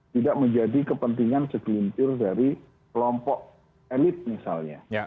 tidak menjadi kepentingan segelintir dari kelompok elit misalnya